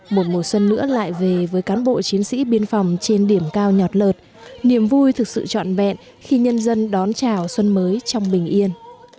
một mùa xuân nữa lại về với cán bộ chiến sĩ biên phòng trên điểm cao nhọt lợt niềm vui thực sự trọn vẹn khi nhân dân đón chào xuân mới trong bình yên